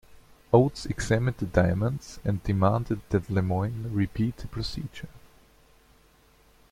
Oats examined the diamonds and demanded that Lemoine repeat the procedure.